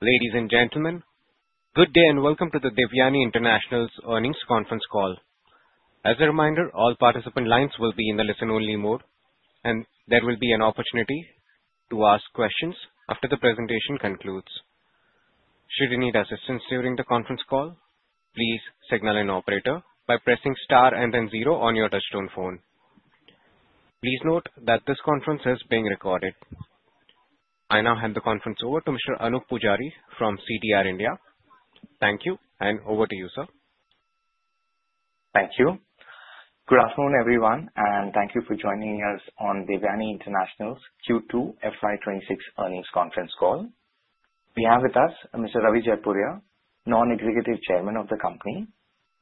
Ladies and gentlemen, good day and welcome to the Devyani International's Earnings Conference Call. As a reminder, all participant lines will be in the listen-only mode, and there will be an opportunity to ask questions after the presentation concludes. Should you need assistance during the conference call, please signal an operator by pressing star and then 0 on your touch-tone phone. Please note that this conference is being recorded. I now hand the conference over to Mr. Anup Pujari from CDR India. Thank you, and over to you, sir. Thank you. Good afternoon, everyone, and thank you for joining us on Devyani International's Q2 FY26 earnings conference call. We have with us Mr. Ravi Jaipuria, Non-Executive Chairman of the company.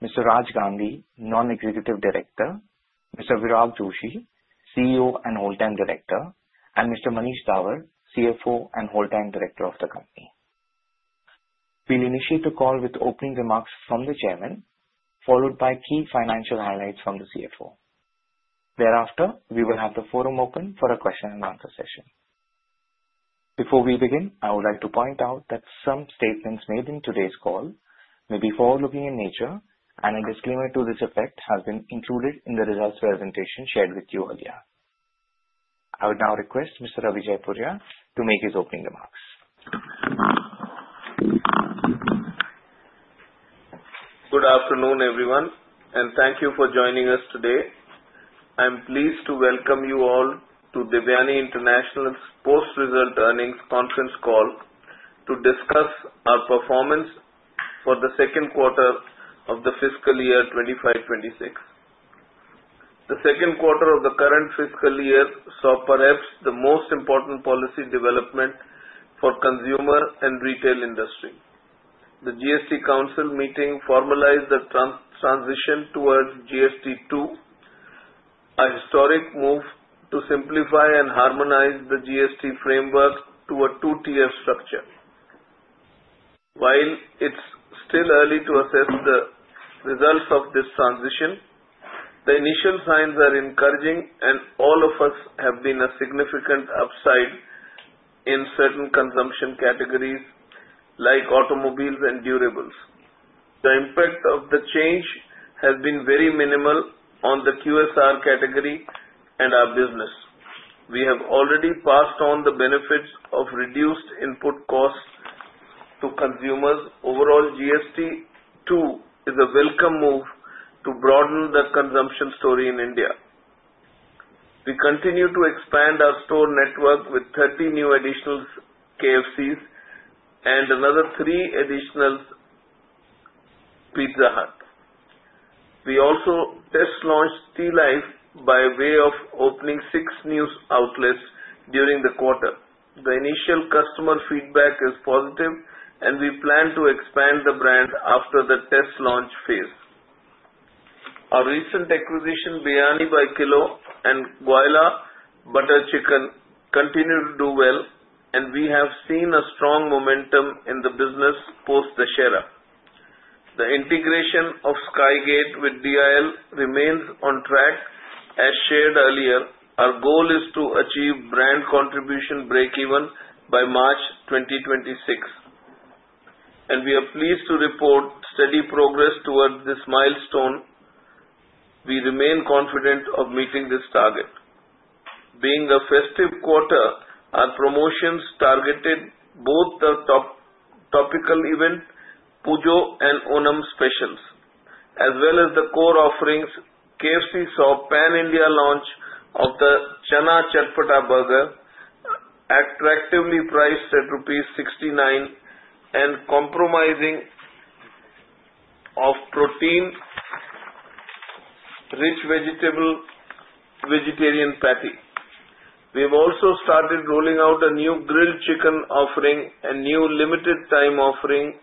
Mr. Raj Gandhi, Non-Executive Director. Mr. Virag Joshi, CEO and Whole-time Director. And Mr. Manish Dawar, CFO and Whole-time Director of the company. We'll initiate the call with opening remarks from the chairman, followed by key financial highlights from the CFO. Thereafter, we will have the forum open for a question-and-answer session. Before we begin, I would like to point out that some statements made in today's call may be forward-looking in nature, and a disclaimer to this effect has been included in the results presentation shared with you earlier. I would now request Mr. Ravi Jaipuria to make his opening remarks. Good afternoon, everyone, and thank you for joining us today. I'm pleased to welcome you all to Devyani International's post-result earnings conference call to discuss our performance for the second quarter of the fiscal year 2025-26. The second quarter of the current fiscal year saw perhaps the most important policy development for the consumer and retail industry. The GST Council meeting formalized the transition towards GST 2.0, a historic move to simplify and harmonize the GST framework to a two-tier structure. While it's still early to assess the results of this transition, the initial signs are encouraging, and all of us have seen a significant upside in certain consumption categories like automobiles and durables. The impact of the change has been very minimal on the QSR category and our business. We have already passed on the benefits of reduced input costs to consumers. Overall, GST 2.0 is a welcome move to broaden the consumption story in India. We continue to expand our store network with 30 new additional KFCs and another three additional Pizza Huts. We also test-launched Tealive by way of opening six new outlets during the quarter. The initial customer feedback is positive, and we plan to expand the brand after the test-launch phase. Our recent acquisition, Biryani By Kilo and Goila Butter Chicken, continues to do well, and we have seen a strong momentum in the business post-Dussehra. The integration of Sky Gate with DIL remains on track, as shared earlier. Our goal is to achieve brand contribution break-even by March 2026, and we are pleased to report steady progress towards this milestone. We remain confident of meeting this target. Being a festive quarter, our promotions targeted both the topical event, Pujo and Onam specials, as well as the core offerings. KFC saw a pan-India launch of the Chana Chatpata Burger, attractively priced at 69 rupees, and comprising on protein-rich vegetarian patty. We have also started rolling out a new grilled chicken offering and new limited-time offering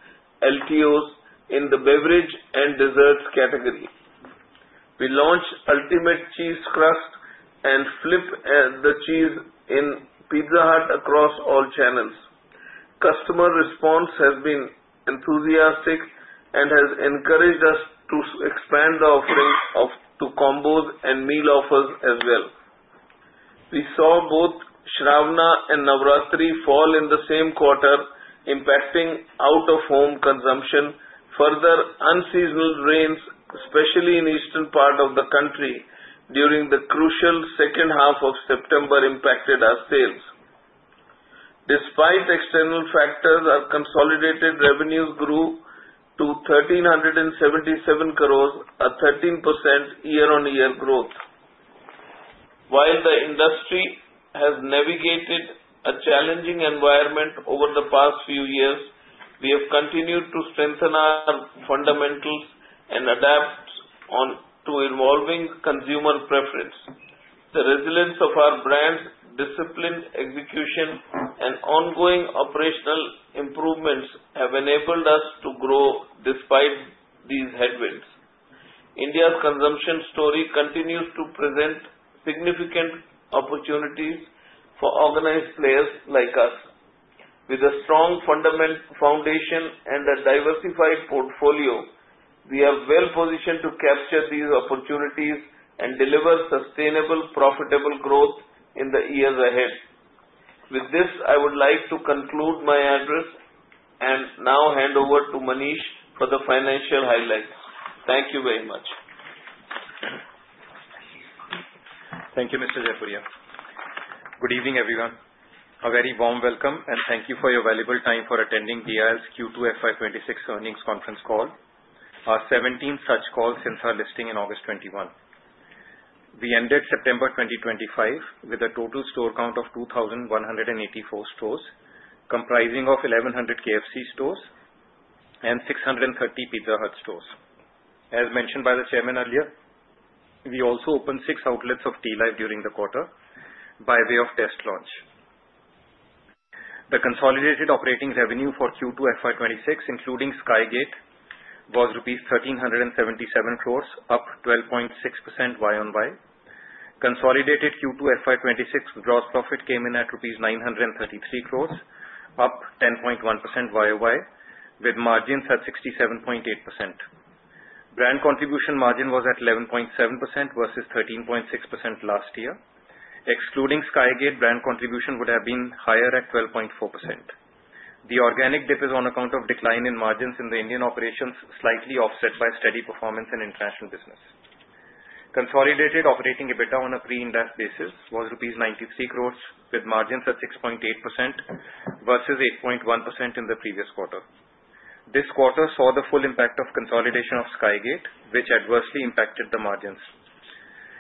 LTOs in the beverage and desserts category. We launched Ultimate Cheese Crust and Flip the Cheese in Pizza Hut across all channels. Customer response has been enthusiastic and has encouraged us to expand the offering to combos and meal offers as well. We saw both Shravana and Navratri fall in the same quarter, impacting out-of-home consumption. Further, unseasonal rains, especially in the eastern part of the country during the crucial second half of September, impacted our sales. Despite external factors, our consolidated revenues grew to 1,377 crores, a 13% year-on-year growth. While the industry has navigated a challenging environment over the past few years, we have continued to strengthen our fundamentals and adapt to evolving consumer preferences. The resilience of our brands, disciplined execution, and ongoing operational improvements have enabled us to grow despite these headwinds. India's consumption story continues to present significant opportunities for organized players like us. With a strong foundation and a diversified portfolio, we are well-positioned to capture these opportunities and deliver sustainable, profitable growth in the years ahead. With this, I would like to conclude my address and now hand over to Manish for the financial highlights. Thank you very much. Thank you, Mr. Jaipuria. Good evening, everyone. A very warm welcome, and thank you for your valuable time for attending DIL's Q2 FY26 earnings conference call. Our 17th such call since our listing in August 2021. We ended September 2025 with a total store count of 2,184 stores, comprising of 1,100 KFC stores and 630 Pizza Hut stores. As mentioned by the chairman earlier, we also opened six outlets of Tealive during the quarter by way of test launch. The consolidated operating revenue for Q2 FY26, including Sky Gate, was rupees 1,377 crores, up 12.6% YoY. Consolidated Q2 FY26 gross profit came in at rupees 933 crores, up 10.1% YoY, with margins at 67.8%. Brand contribution margin was at 11.7% versus 13.6% last year. Excluding Sky Gate, brand contribution would have been higher at 12.4%. The organic dip is on account of decline in margins in the Indian operations, slightly offset by steady performance in international business. Consolidated operating EBITDA on a pre-IND AS basis was rupees 93 crores, with margins at 6.8% versus 8.1% in the previous quarter. This quarter saw the full impact of consolidation of Sky Gate, which adversely impacted the margins.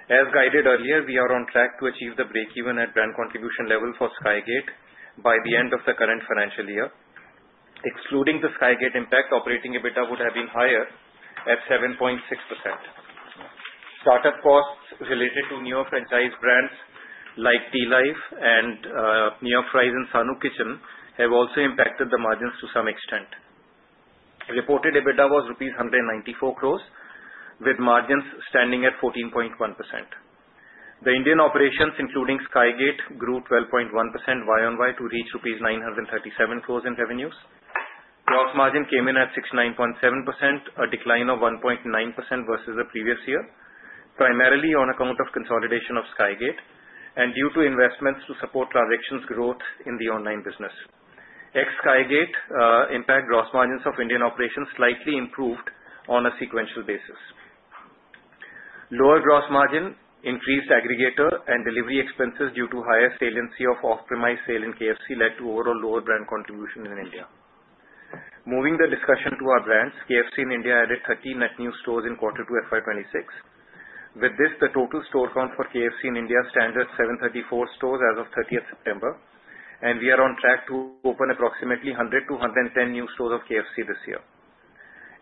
As guided earlier, we are on track to achieve the break-even at brand contribution level for Sky Gate by the end of the current financial year. Excluding the Sky Gate impact, operating EBITDA would have been higher at 7.6%. Startup costs related to newer franchise brands like Tealive and New York Fries, and Sanook Kitchen have also impacted the margins to some extent. Reported EBITDA was 194 crores, with margins standing at 14.1%. The Indian operations, including Sky Gate, grew 12.1% YoY to reach rupees 937 crores in revenues. Gross margin came in at 69.7%, a decline of 1.9% versus the previous year, primarily on account of consolidation of Sky Gate and due to investments to support transactions growth in the online business. Ex-Sky Gate impact gross margins of Indian operations slightly improved on a sequential basis. Lower gross margin, increased aggregator and delivery expenses due to higher saliency of off-premise sale in KFC led to overall lower brand contribution in India. Moving the discussion to our brands, KFC in India added 13 net new stores in Q2 FY26. With this, the total store count for KFC in India stands at 734 stores as of 30 September, and we are on track to open approximately 100-110 new stores of KFC this year.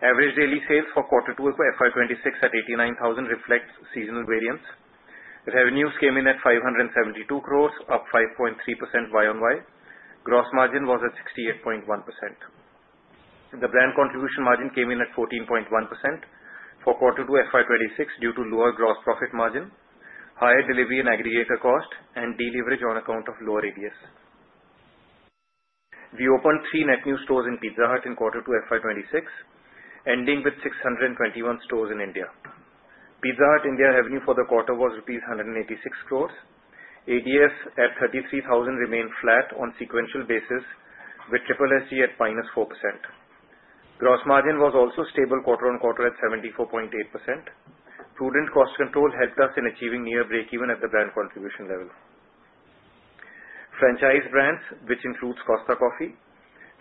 Average daily sales for Q2 FY26 at 89,000 reflects seasonal variance. Revenues came in at 572 crores, up 5.3% YoY. Gross margin was at 68.1%. The brand contribution margin came in at 14.1% for Q2 FY26 due to lower gross profit margin, higher delivery and aggregator cost, and delivery on account of lower ADS. We opened three net new stores in Pizza Hut in Q2 FY26, ending with 621 stores in India. Pizza Hut India revenue for the quarter was rupees 186 crores. ADS at 33,000 remained flat on a sequential basis, with SSSG at minus 4%. Gross margin was also stable quarter-on-quarter at 74.8%. Prudent cost control helped us in achieving near break-even at the brand contribution level. Franchise brands, which include Costa Coffee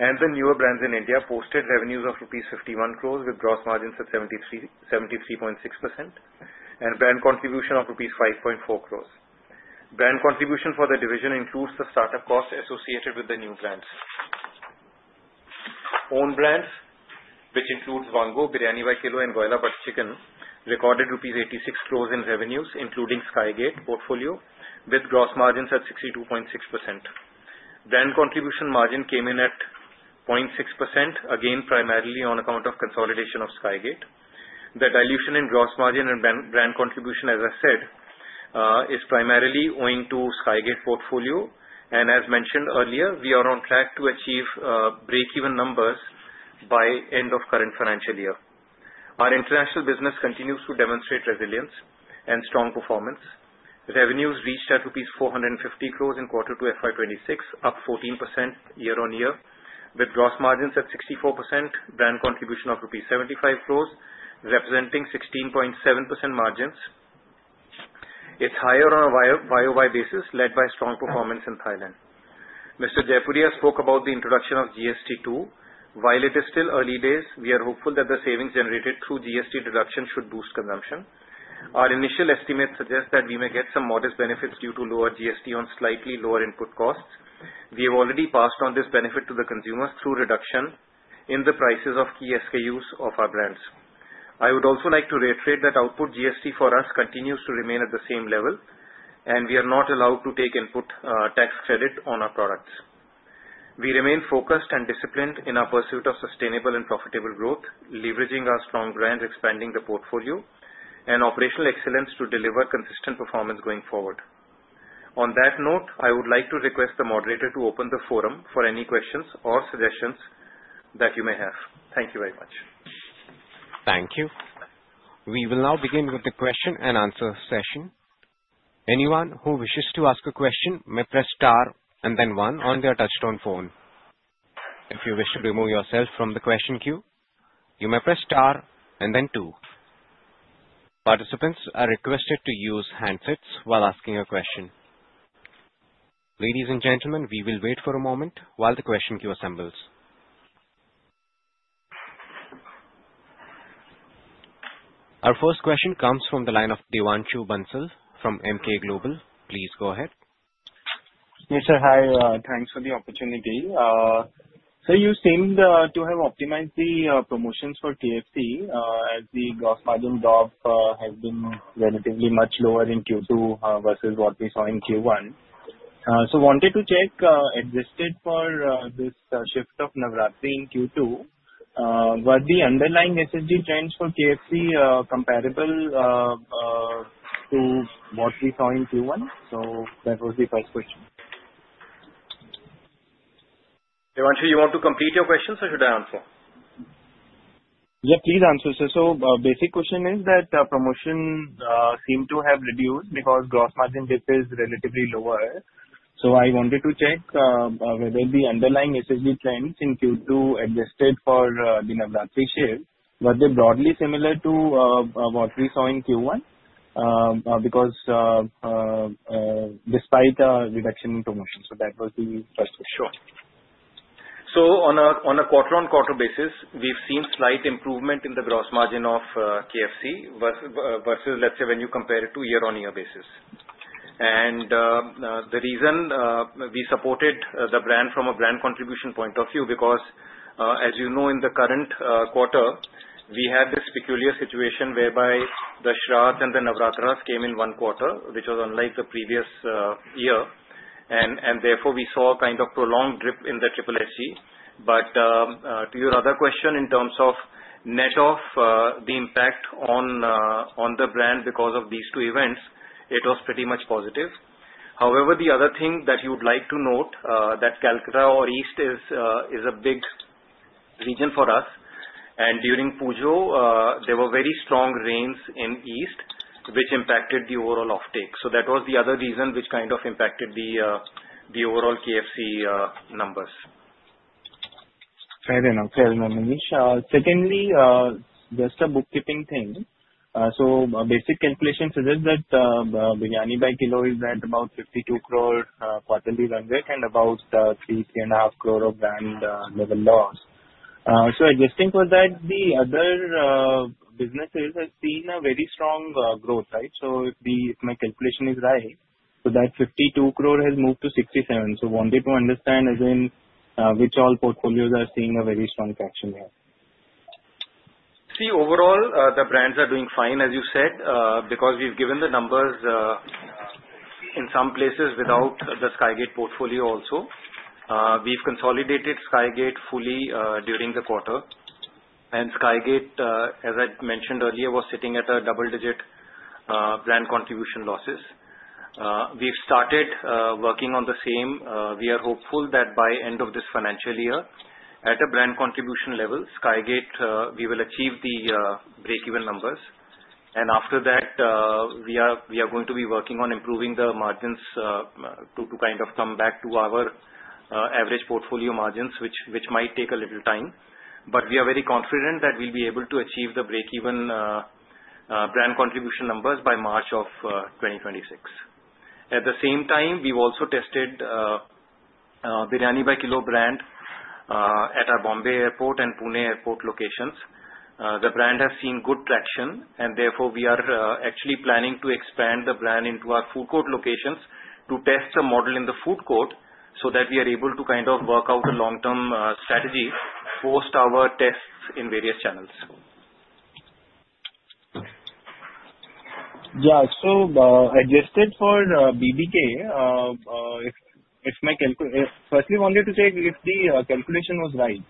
and the newer brands in India, posted revenues of rupees 51 crores with gross margins at 73.6% and brand contribution of rupees 5.4 crores. Brand contribution for the division includes the startup cost associated with the new brands. Own brands, which include Vaango!, Biryani by Kilo, and Goila Butter Chicken, recorded 86 crores rupees in revenues, including Sky Gate portfolio, with gross margins at 62.6%. Brand contribution margin came in at 0.6%, again primarily on account of consolidation of Sky Gate. The dilution in gross margin and brand contribution, as I said, is primarily owing to Sky Gate portfolio, and as mentioned earlier, we are on track to achieve break-even numbers by the end of the current financial year. Our international business continues to demonstrate resilience and strong performance. Revenues reached at INR 450 crores in Q2 FY26, up 14% year-on-year, with gross margins at 64%, brand contribution of rupees 75 crores, representing 16.7% margins. It's higher on a YoY basis, led by strong performance in Thailand. Mr. Jaipuria spoke about the introduction of GST 2.0. While it is still early days, we are hopeful that the savings generated through GST reduction should boost consumption. Our initial estimates suggest that we may get some modest benefits due to lower GST on slightly lower input costs. We have already passed on this benefit to the consumers through reduction in the prices of key SKUs of our brands. I would also like to reiterate that output GST for us continues to remain at the same level, and we are not allowed to take input tax credit on our products. We remain focused and disciplined in our pursuit of sustainable and profitable growth, leveraging our strong brands, expanding the portfolio, and operational excellence to deliver consistent performance going forward. On that note, I would like to request the moderator to open the forum for any questions or suggestions that you may have. Thank you very much. Thank you. We will now begin with the question and answer session. Anyone who wishes to ask a question may press star and then one on their touch-tone phone. If you wish to remove yourself from the question queue, you may press star and then two. Participants are requested to use handsets while asking a question. Ladies and gentlemen, we will wait for a moment while the question queue assembles. Our first question comes from the line of Devanshu Bansal from Emkay Global. Please go ahead. Yes, sir. Hi. Thanks for the opportunity. So you seemed to have optimized the promotions for KFC as the gross margin dip has been relatively much lower in Q2 versus what we saw in Q1. So wanted to check, excluding for this shift of Navratri in Q2, were the underlying SSG trends for KFC comparable to what we saw in Q1? So that was the first question. Devanshu, you want to complete your questions, or should I answer? Yeah, please answer, sir. So basic question is that promotions seem to have reduced because gross margin dip is relatively lower. So I wanted to check whether the underlying SSG trends in Q2 existed for the Navratri shift. Were they broadly similar to what we saw in Q1? Because despite reduction in promotions, so that was the first question. Sure. So on a quarter-on-quarter basis, we've seen slight improvement in the gross margin of KFC versus, let's say, when you compare it to year-on-year basis. And the reason we supported the brand from a brand contribution point of view is because, as you know, in the current quarter, we had this peculiar situation whereby the Shravana and the Navratri came in one quarter, which was unlike the previous year. And therefore, we saw a kind of prolonged dip in the SSSG. But to your other question in terms of net of the impact on the brand because of these two events, it was pretty much positive. However, the other thing that you would like to note is that Kolkata or East is a big region for us. And during Pujo, there were very strong rains in East, which impacted the overall offtake. So that was the other reason which kind of impacted the overall KFC numbers. Fair enough, fair enough, Manish. Secondly, just a bookkeeping thing. So basic calculation suggests that Biryani by Kilo is at about 52 crore quarterly run rate and about 3-3.5 crore of brand-level loss. So I just think that the other businesses have seen a very strong growth, right? So if my calculation is right, so that 52 crore has moved to 67. So wanted to understand, as in, which all portfolios are seeing a very strong traction here? See, overall, the brands are doing fine, as you said, because we've given the numbers in some places without the Sky Gate portfolio also. We've consolidated Sky Gate fully during the quarter. And Sky Gate, as I mentioned earlier, was sitting at a double-digit brand contribution losses. We've started working on the same. We are hopeful that by the end of this financial year, at a brand contribution level, Sky Gate, we will achieve the break-even numbers. And after that, we are going to be working on improving the margins to kind of come back to our average portfolio margins, which might take a little time. But we are very confident that we'll be able to achieve the break-even brand contribution numbers by March of 2026. At the same time, we've also tested Biryani by Kilo brand at our Mumbai Airport and Pune Airport locations. The brand has seen good traction, and therefore, we are actually planning to expand the brand into our food court locations to test a model in the food court so that we are able to kind of work out a long-term strategy post our tests in various channels. Yeah. So adjusted for BBK, if my calculation first, we wanted to check if the calculation was right,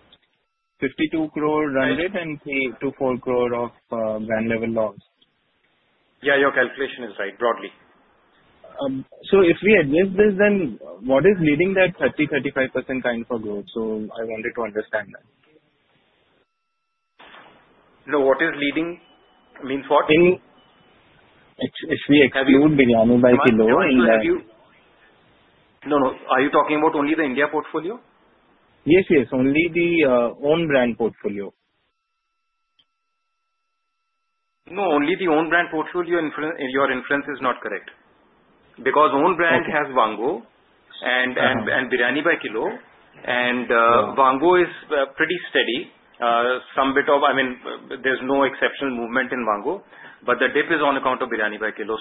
52 crore run rate and 3-4 crore of brand-level loss. Yeah, your calculation is right, broadly. So if we adjust this, then what is leading that 30%-35% kind of a growth? So I wanted to understand that. No, what is leading means what? If we exclude Biryani By Kilo in the. No, no. Are you talking about only the India portfolio? Yes, yes. Only the own brand portfolio. No, only the own brand portfolio. Your inference is not correct because own brand has Vaango! and Biryani by Kilo, and Vaango! is pretty steady. Some bit of, I mean, there's no exceptional movement in Vaango!, but the dip is on account of Biryani by Kilo.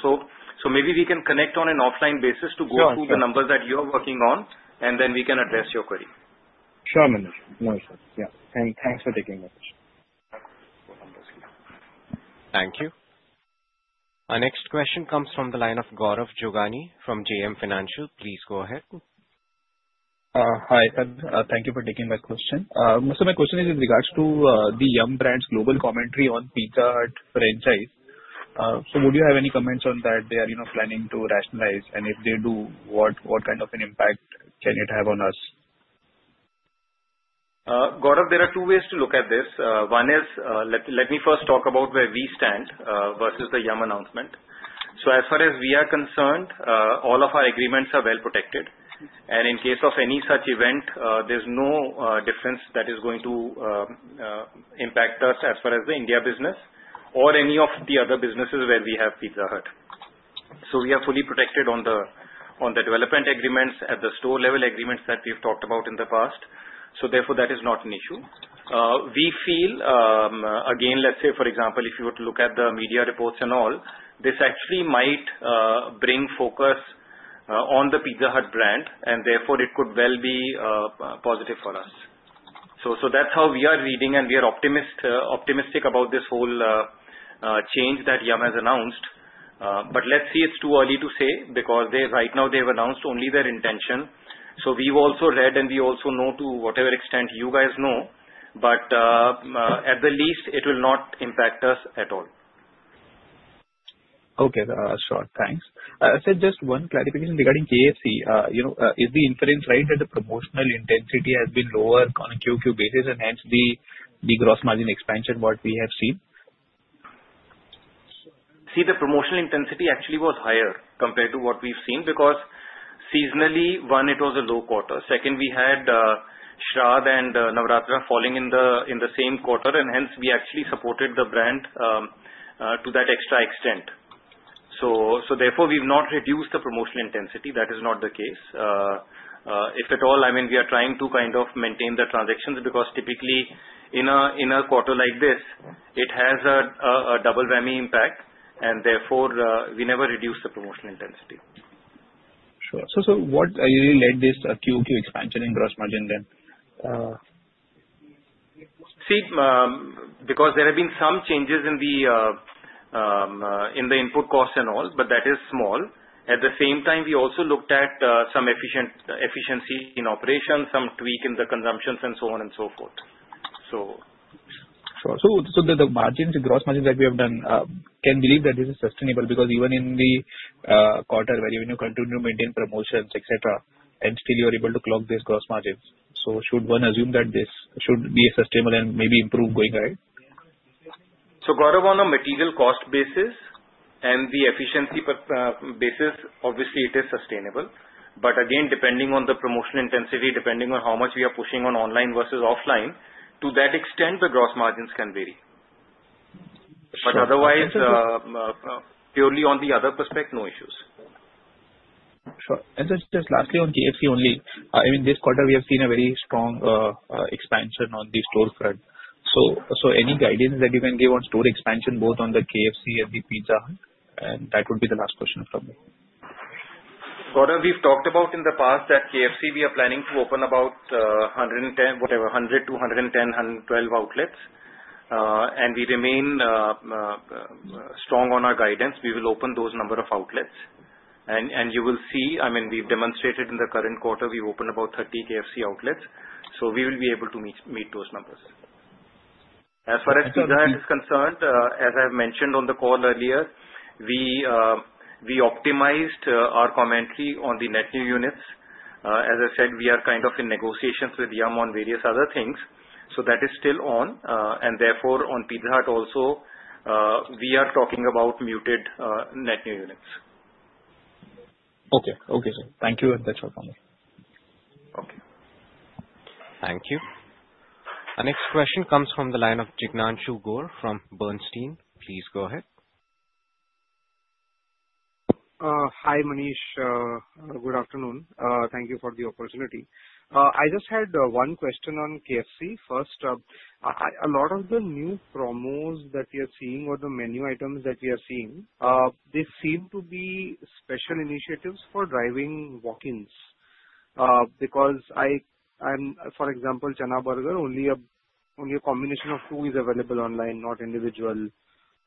So maybe we can connect on an offline basis to go through the numbers that you are working on, and then we can address your query. Sure, Manish. No issues. Yeah, and thanks for taking the question. Thank you. Our next question comes from the line of Gaurav Jogani from JM Financial. Please go ahead. Hi, sir. Thank you for taking that question. So my question is with regards to the Yum! Brands global commentary on Pizza Hut franchise. So would you have any comments on that? They are planning to rationalize, and if they do, what kind of an impact can it have on us? Gaurav, there are two ways to look at this. One is, let me first talk about where we stand versus the Yum announcement. So as far as we are concerned, all of our agreements are well protected, and in case of any such event, there's no difference that is going to impact us as far as the India business or any of the other businesses where we have Pizza Hut, so we are fully protected on the development agreements at the store-level agreements that we've talked about in the past, so therefore, that is not an issue. We feel, again, let's say, for example, if you were to look at the media reports and all, this actually might bring focus on the Pizza Hut brand, and therefore, it could well be positive for us. So that's how we are reading, and we are optimistic about this whole change that Yum! has announced. But let's see, it's too early to say because right now, they've announced only their intention. So we've also read, and we also know to whatever extent you guys know, but at the least, it will not impact us at all. Okay. Sure. Thanks. I said just one clarification regarding KFC. Is the inference right that the promotional intensity has been lower on a Q2 basis and hence the gross margin expansion what we have seen? See, the promotional intensity actually was higher compared to what we've seen because seasonally, one, it was a low quarter. Second, we had Shravana and Navratri falling in the same quarter, and hence, we actually supported the brand to that extra extent. So therefore, we've not reduced the promotional intensity. That is not the case. If at all, I mean, we are trying to kind of maintain the transactions because typically, in a quarter like this, it has a double whammy impact, and therefore, we never reduce the promotional intensity. Sure. So what really led this Q2 expansion in gross margin then? See, because there have been some changes in the input cost and all, but that is small. At the same time, we also looked at some efficiency in operations, some tweak in the consumptions, and so on and so forth, so. Sure. So the gross margins that we have done, can we believe that this is sustainable? Because even in the quarter where you continue to maintain promotions, etc., and still you are able to clock these gross margins. So should one assume that this should be sustainable and maybe improve going ahead? So Gaurav, on a material cost basis and the efficiency basis, obviously, it is sustainable. But again, depending on the promotional intensity, depending on how much we are pushing on online versus offline, to that extent, the gross margins can vary. But otherwise, purely on the other perspective, no issues. Sure. And just lastly, on KFC only, I mean, this quarter, we have seen a very strong expansion on the store front. So any guidance that you can give on store expansion, both on the KFC and the Pizza Hut? And that would be the last question from me. Gaurav, we've talked about in the past that KFC, we are planning to open about 100-110 outlets. And we remain strong on our guidance. We will open those number of outlets. And you will see, I mean, we've demonstrated in the current quarter, we've opened about 30 KFC outlets. So we will be able to meet those numbers. As far as Pizza Hut is concerned, as I've mentioned on the call earlier, we optimized our commentary on the net new units. As I said, we are kind of in negotiations with Yum on various other things. So that is still on. And therefore, on Pizza Hut also, we are talking about muted net new units. Okay. Okay, sir. Thank you. That's all from me. Okay. Thank you. Our next question comes from the line of Jignanshu Gor from Bernstein. Please go ahead. Hi, Manish. Good afternoon. Thank you for the opportunity. I just had one question on KFC. First, a lot of the new promos that we are seeing or the menu items that we are seeing, they seem to be special initiatives for driving walk-ins. Because I'm, for example, Chana burger, only a combination of two is available online, not individual,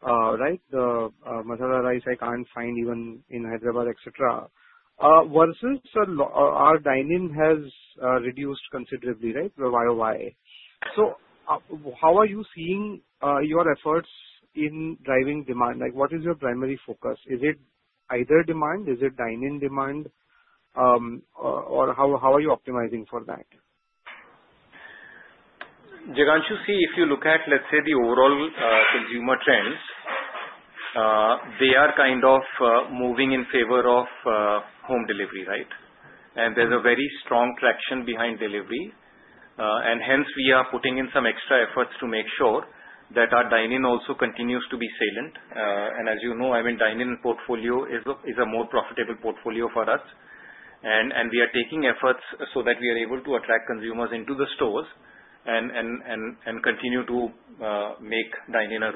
right? The masala rice, I can't find even in Hyderabad, etc. versus our dine-in has reduced considerably, right? So how are you seeing your efforts in driving demand? What is your primary focus? Is it either demand? Is it dine-in demand? Or how are you optimizing for that? Jignanshu. See, if you look at, let's say, the overall consumer trends, they are kind of moving in favor of home delivery, right? And there's a very strong traction behind delivery. And hence, we are putting in some extra efforts to make sure that our dine-in also continues to be salient. And as you know, I mean, dine-in portfolio is a more profitable portfolio for us. And we are taking efforts so that we are able to attract consumers into the stores and continue to make dine-in a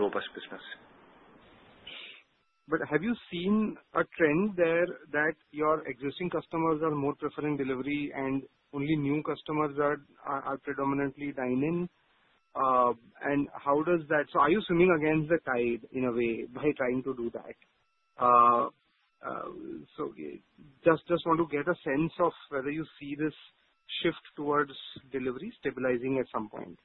robust business. But have you seen a trend there that your existing customers are more preferring delivery and only new customers are predominantly dine-in? And how does that? So are you swimming against the tide in a way by trying to do that? So just want to get a sense of whether you see this shift towards delivery stabilizing at some point.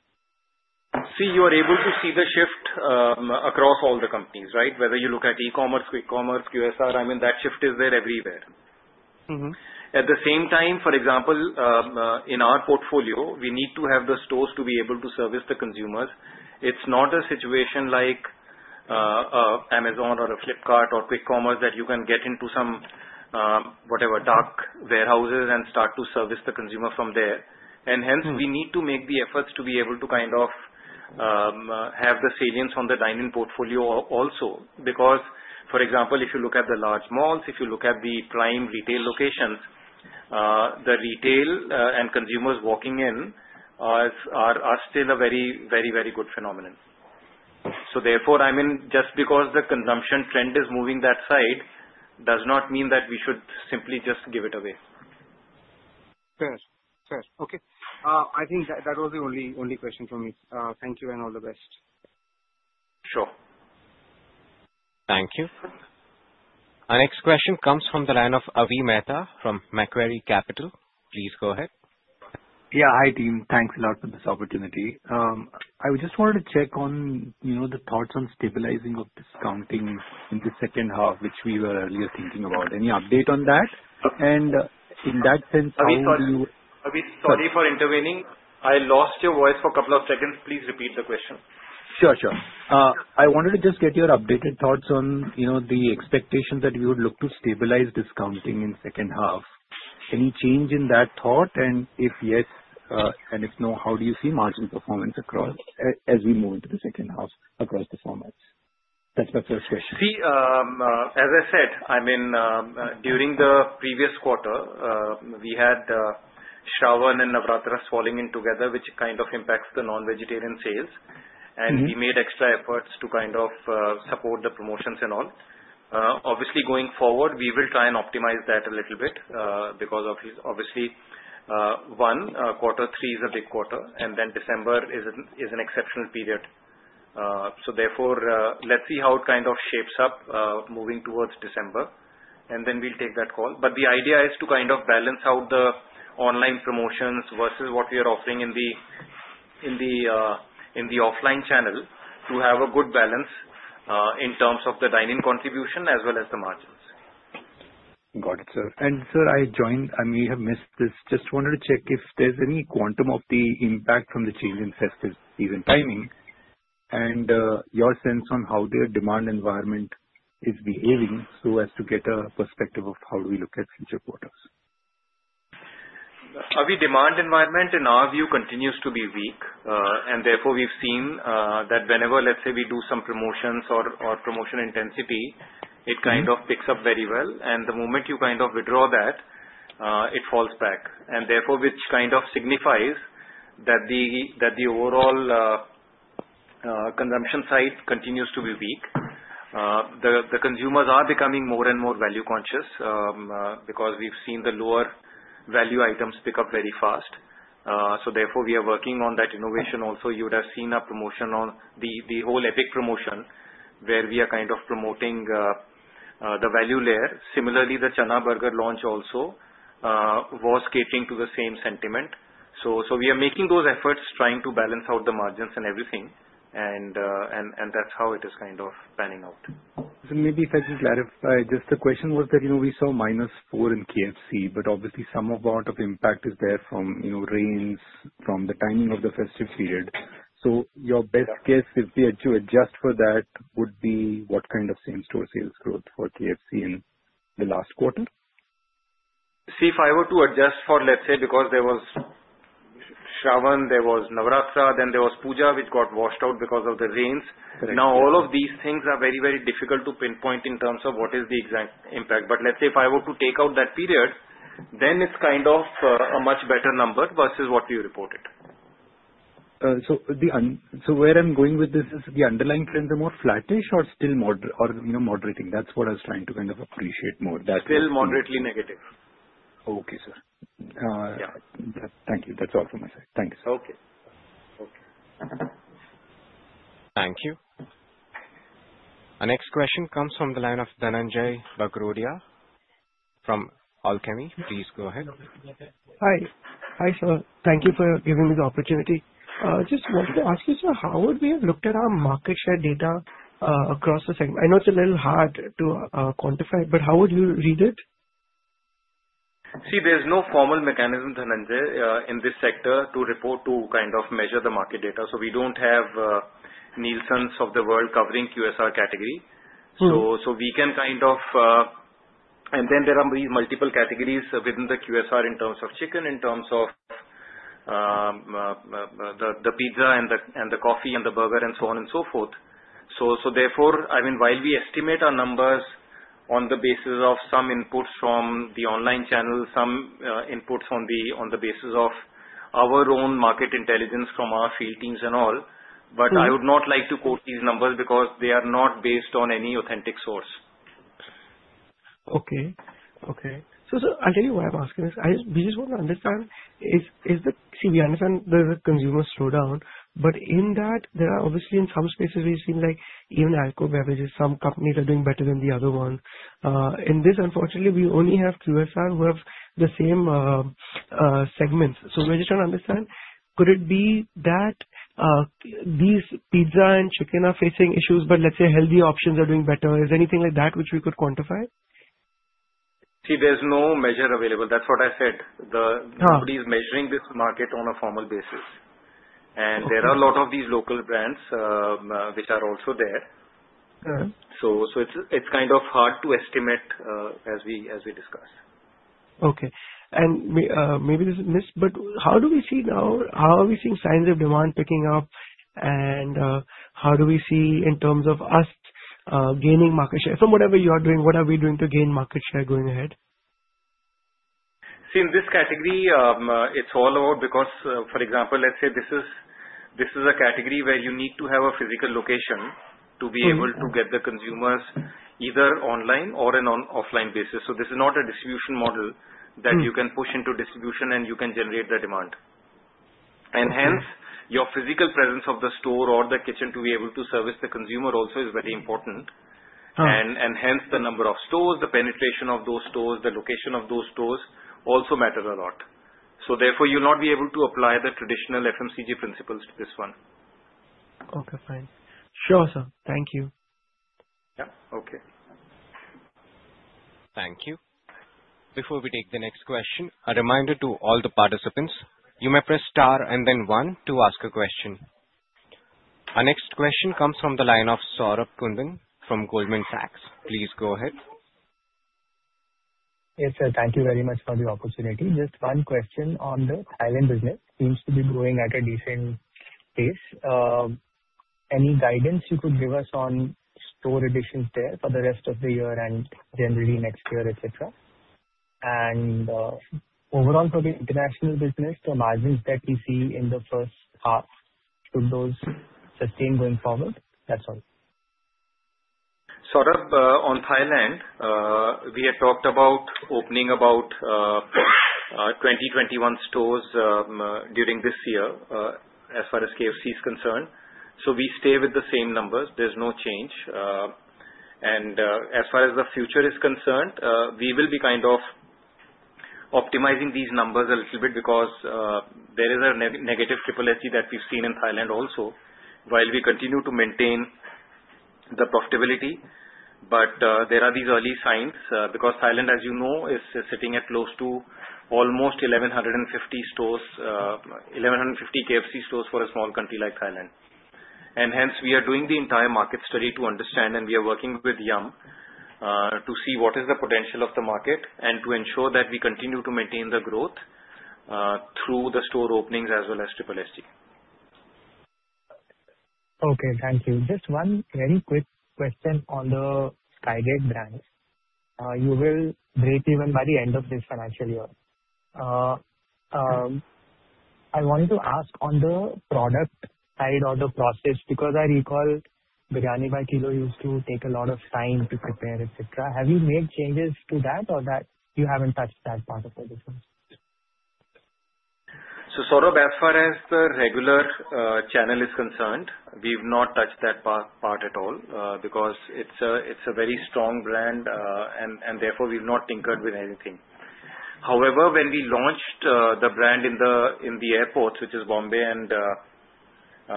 See, you are able to see the shift across all the companies, right? Whether you look at e-commerce, quick commerce, QSR, I mean, that shift is there everywhere. At the same time, for example, in our portfolio, we need to have the stores to be able to service the consumers. It's not a situation like Amazon or a Flipkart or quick commerce that you can get into some whatever dark warehouses and start to service the consumer from there. And hence, we need to make the efforts to be able to kind of have the salience on the dine-in portfolio also. Because, for example, if you look at the large malls, if you look at the prime retail locations, the retail and consumers walking in are still a very, very, very good phenomenon. So therefore, I mean, just because the consumption trend is moving that side does not mean that we should simply just give it away. Fair. Fair. Okay. I think that was the only question from me. Thank you and all the best. Sure. Thank you. Our next question comes from the line of Avi Mehta from Macquarie Capital. Please go ahead. Yeah. Hi, team. Thanks a lot for this opportunity. I just wanted to check on the thoughts on stabilizing of discounting in the second half, which we were earlier thinking about. Any update on that? And in that sense. Avi, sorry for intervening. I lost your voice for a couple of seconds. Please repeat the question. Sure, sure. I wanted to just get your updated thoughts on the expectation that we would look to stabilize discounting in the second half. Any change in that thought? And if yes, and if no, how do you see margin performance across as we move into the second half across the formats? That's my first question. See, as I said, I mean, during the previous quarter, we had Shravana and Navratri falling in together, which kind of impacts the non-vegetarian sales. And we made extra efforts to kind of support the promotions and all. Obviously, going forward, we will try and optimize that a little bit because obviously, one, quarter three is a big quarter, and then December is an exceptional period. So therefore, let's see how it kind of shapes up moving towards December. And then we'll take that call. But the idea is to kind of balance out the online promotions versus what we are offering in the offline channel to have a good balance in terms of the dine-in contribution as well as the margins. Got it, sir. And sir, I joined. I mean, we have missed this. Just wanted to check if there's any quantum of the impact from the change in festivities and timing and your sense on how the demand environment is behaving so as to get a perspective of how do we look at future quarters? Avi, demand environment in our view continues to be weak, and therefore, we've seen that whenever, let's say, we do some promotions or promotion intensity, it kind of picks up very well, and the moment you kind of withdraw that, it falls back, and therefore, which kind of signifies that the overall consumption side continues to be weak. The consumers are becoming more and more value-conscious because we've seen the lower value items pick up very fast, so therefore, we are working on that innovation also. You would have seen a promotion on the whole epic promotion where we are kind of promoting the value layer. Similarly, the Chana burger launch also was catering to the same sentiment, so we are making those efforts, trying to balance out the margins and everything, and that's how it is kind of panning out. So maybe if I just clarify, just the question was that we saw -4% in KFC, but obviously, some amount of impact is there from rains, from the timing of the festive period. So your best guess is to adjust for that would be what kind of same-store sales growth for KFC in the last quarter? See, if I were to adjust for, let's say, because there was Shravana, there was Navratri, then there was Pujo, which got washed out because of the rains. Now, all of these things are very, very difficult to pinpoint in terms of what is the exact impact. But let's say if I were to take out that period, then it's kind of a much better number versus what we reported. So where I'm going with this is the underlying trends are more flattish or still moderating? That's what I was trying to kind of appreciate more. Still moderately negative. Okay, sir. Thank you. That's all from my side. Thank you, sir. Okay. Okay. Thank you. Our next question comes from the line of Dhananjai Bagrodia from Alchemy. Please go ahead. Hi. Hi, sir. Thank you for giving me the opportunity. Just wanted to ask you, sir, how would we have looked at our market share data across the segment? I know it's a little hard to quantify, but how would you read it? See, there's no formal mechanism, Dhananjai, in this sector to report to kind of measure the market data. So we don't have Nielsens of the world covering QSR category. So we can kind of and then there are these multiple categories within the QSR in terms of chicken, in terms of the pizza, and the coffee, and the burger and so on and so forth. So therefore, I mean, while we estimate our numbers on the basis of some inputs from the online channel, some inputs on the basis of our own market intelligence from our field teams and all. But I would not like to quote these numbers because they are not based on any authentic source. Okay. Okay. So I'll tell you why I'm asking this. We just want to understand, see, we understand there's a consumer slowdown, but in that, there are obviously in some spaces, we've seen even alcohol beverages, some companies are doing better than the other ones. In this, unfortunately, we only have QSR who have the same segments. So we're just trying to understand, could it be that these pizza and chicken are facing issues, but let's say healthy options are doing better? Is there anything like that which we could quantify? See, there's no measure available. That's what I said. Nobody is measuring this market on a formal basis. And there are a lot of these local brands which are also there. So it's kind of hard to estimate as we discuss. Okay. And maybe this is missed, but how do we see now? How are we seeing signs of demand picking up? And how do we see in terms of us gaining market share? From whatever you are doing, what are we doing to gain market share going ahead? See, in this category, it's all about because, for example, let's say this is a category where you need to have a physical location to be able to get the consumers either online or on an offline basis. So this is not a distribution model that you can push into distribution and you can generate the demand. And hence, your physical presence of the store or the kitchen to be able to service the consumer also is very important. And hence, the number of stores, the penetration of those stores, the location of those stores also matters a lot. So therefore, you'll not be able to apply the traditional FMCG principles to this one. Okay. Fine. Sure, sir. Thank you. Yeah. Okay. Thank you. Before we take the next question, a reminder to all the participants, you may press star and then one to ask a question. Our next question comes from the line of Saurabh Kundan from Goldman Sachs. Please go ahead. Yes, sir. Thank you very much for the opportunity. Just one question on the Thailand business. Seems to be growing at a decent pace. Any guidance you could give us on store additions there for the rest of the year and generally next year, etc.? And overall for the international business, the margins that we see in the first half, should those sustain going forward? That's all. Saurabh, on Thailand, we had talked about opening about 20-21 stores during this year as far as KFC is concerned. So we stay with the same numbers. There's no change. And as far as the future is concerned, we will be kind of optimizing these numbers a little bit because there is a negative SSSG that we've seen in Thailand also while we continue to maintain the profitability. But there are these early signs because Thailand, as you know, is sitting at close to almost 1,150 KFC stores for a small country like Thailand. And hence, we are doing the entire market study to understand, and we are working with Yum to see what is the potential of the market and to ensure that we continue to maintain the growth through the store openings as well as SSSG. Okay. Thank you. Just one very quick question on the Sky Gate brand. You will break even by the end of this financial year. I wanted to ask on the product side or the process because I recall Biryani by Kilo used to take a lot of time to prepare, etc. Have you made changes to that or that you haven't touched that part of the business? So Saurabh, as far as the regular channel is concerned, we've not touched that part at all because it's a very strong brand, and therefore, we've not tinkered with anything. However, when we launched the brand in the airports, which is Mumbai and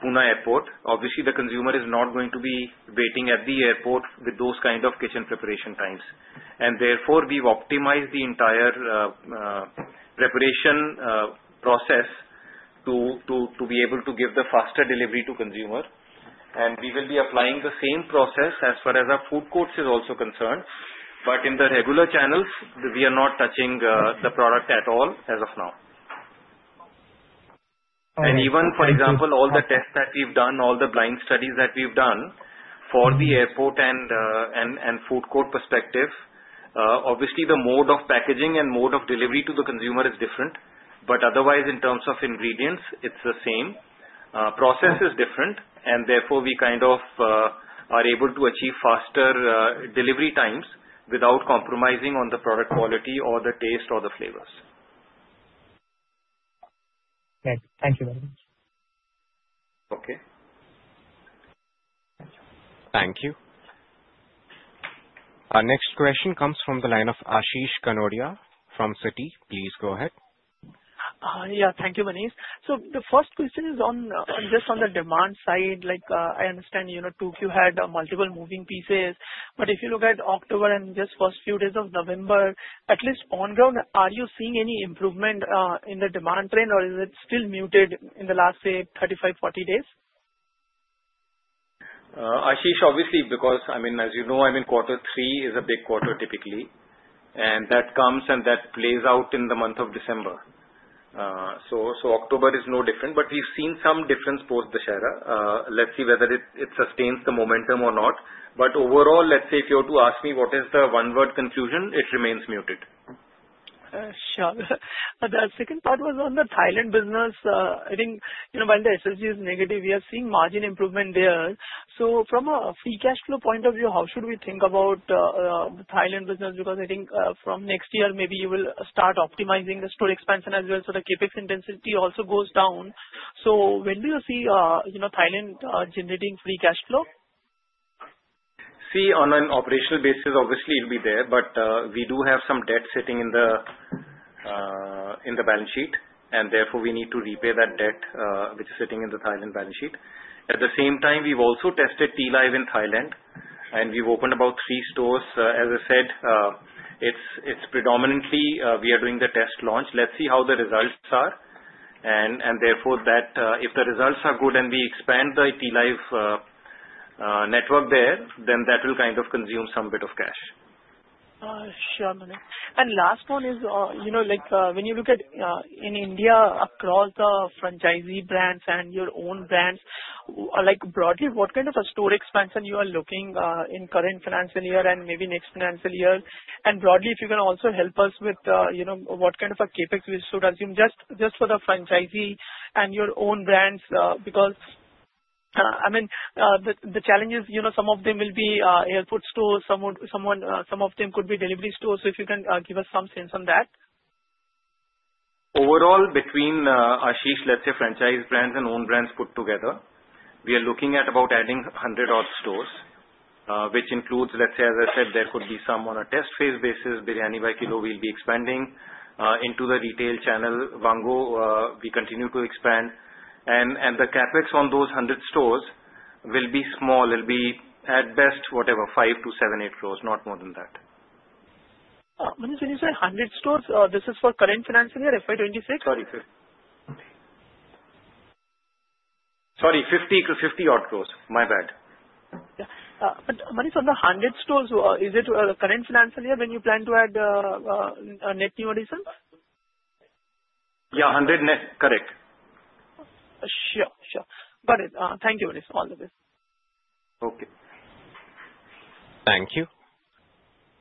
Pune Airport, obviously, the consumer is not going to be waiting at the airport with those kind of kitchen preparation times. And therefore, we've optimized the entire preparation process to be able to give the faster delivery to consumer. And we will be applying the same process as far as our food courts is also concerned. But in the regular channels, we are not touching the product at all as of now. And even, for example, all the tests that we've done, all the blind studies that we've done for the airport and food court perspective, obviously, the mode of packaging and mode of delivery to the consumer is different. But otherwise, in terms of ingredients, it's the same. Process is different. And therefore, we kind of are able to achieve faster delivery times without compromising on the product quality or the taste or the flavors. Thank you very much. Okay. Thank you. Our next question comes from the line of Ashish Kanodia from Citi. Please go ahead. Yeah. Thank you, Manish. So the first question is just on the demand side. I understand you had multiple moving pieces. But if you look at October and just first few days of November, at least on ground, are you seeing any improvement in the demand trend, or is it still muted in the last, say, 35, 40 days? Ashish, obviously, because, I mean, as you know, I mean, quarter three is a big quarter typically. And that comes and that plays out in the month of December. So October is no different. But we've seen some difference post-Dussehra. Let's see whether it sustains the momentum or not. But overall, let's say if you were to ask me what is the one-word conclusion, it remains muted. Sure. The second part was on the Thailand business. I think when the SSG is negative, we are seeing margin improvement there. So from a free cash flow point of view, how should we think about the Thailand business? Because I think from next year, maybe you will start optimizing the store expansion as well. So the CapEx intensity also goes down. So when do you see Thailand generating free cash flow? See, on an operational basis, obviously, it'll be there. But we do have some debt sitting in the balance sheet. Therefore, we need to repay that debt, which is sitting in the Thailand balance sheet. At the same time, we've also tested Tealive in Thailand. We've opened about three stores. As I said, it's predominantly we are doing the test launch. Let's see how the results are. Therefore, if the results are good and we expand the Tealive network there, then that will kind of consume some bit of cash. Sure, Manish. And last one is when you look at in India, across the franchisee brands and your own brands, broadly, what kind of a store expansion you are looking in current financial year and maybe next financial year? And broadly, if you can also help us with what kind of a CapEx we should assume just for the franchisee and your own brands because, I mean, the challenge is some of them will be airport stores. Some of them could be delivery stores. So if you can give us some sense on that. Overall, between Ashish, let's say, franchise brands and own brands put together, we are looking at about adding 100 odd stores, which includes, let's say, as I said, there could be some on a test phase basis. Biryani by Kilo will be expanding into the retail channel. Vaango!, we continue to expand. The CapEx on those 100 stores will be small. It'll be at best, whatever, five to seven, eight crores, not more than that. Manish, when you say 100 stores, this is for current financial year, FY26? Sorry. Sorry, 50 cause 50 are closed. My bad. But Manish, on the 100 stores, is it current financial year when you plan to add net new additions? Yeah, 100 net. Correct. Sure. Sure. Got it. Thank you, Manish. All the best. Okay. Thank you.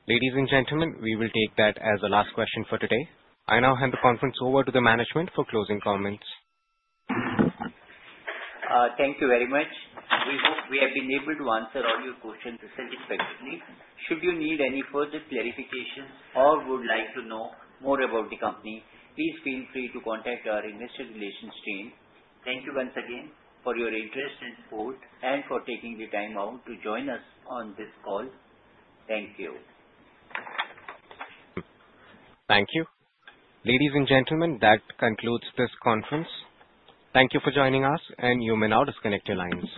Ladies and gentlemen, we will take that as the last question for today. I now hand the conference over to the management for closing comments. Thank you very much. We hope we have been able to answer all your questions satisfactorily. Should you need any further clarifications or would like to know more about the company, please feel free to contact our investor relations team. Thank you once again for your interest and support and for taking the time out to join us on this call. Thank you. Thank you. Ladies and gentlemen, that concludes this conference. Thank you for joining us, and you may now disconnect your lines.